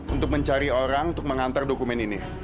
untuk mencari orang untuk mengantar dokumen ini